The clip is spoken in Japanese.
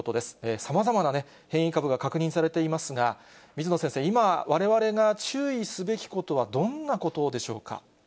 さまざまな変異株が確認されていますが、水野先生、今、われわれが注意すべきことはどんなことでしょうか。